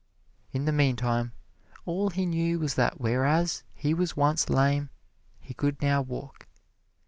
In the meantime, all he knew was that whereas he was once lame he could now walk.